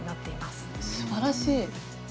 すばらしい！